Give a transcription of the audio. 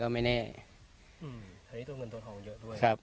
อืมชาวนี้ตัวเงินตัวทองมันเยอะด้วย